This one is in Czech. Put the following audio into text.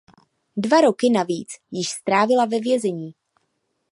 Dva roky navíc již strávila ve vězení.